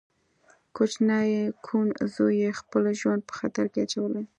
کوچني کوڼ زوی يې خپل ژوند په خطر کې اچولی.